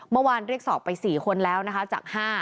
เมื่อวานเรียกสอบไป๔คนแล้วนะคะจาก๕